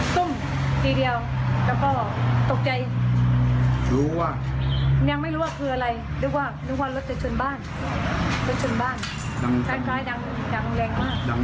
ก็ถามแฟนว่าเสียงอะไรแฟนบอกว่ารถโดนยิง